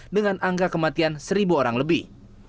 dengan angka kematian satu orang lebih